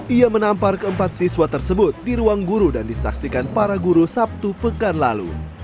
ia menampar keempat siswa tersebut di ruang guru dan disaksikan para guru sabtu pekan lalu